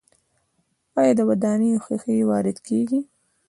آیا د ودانیو ښیښې وارد کیږي؟